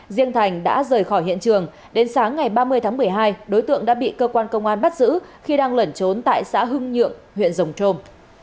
riêng thành đã rời khỏi hiện trường đến sáng ngày ba mươi tháng một mươi hai đối tượng đã bị cơ quan công an bắt giữ khi đang lẩn trốn tại xã hưng nhượng huyện rồng trôm